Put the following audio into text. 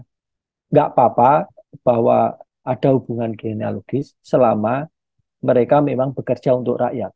tidak apa apa bahwa ada hubungan geneologis selama mereka memang bekerja untuk rakyat